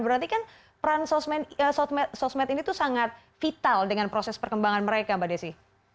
berarti kan peran sosmed ini tuh sangat vital dengan proses perkembangan mereka mbak desi